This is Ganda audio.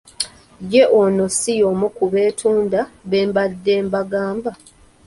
Ye ono si y'omu ku beetunda be mbadde mbagamba?